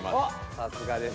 さすがです。